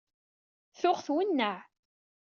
Tuɣ twennaɛ.